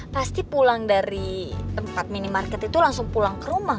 pasti pulang dari tempat minimarket itu langsung pulang ke rumah